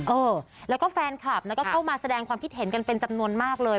เออแล้วก็แฟนคลับก็เข้ามาแสดงความคิดเห็นกันเป็นจำนวนมากเลย